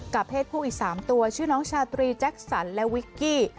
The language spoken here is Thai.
เพศผู้อีก๓ตัวชื่อน้องชาตรีแจ็คสันและวิกกี้